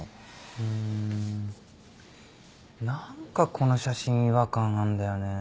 うーん何かこの写真違和感あんだよね。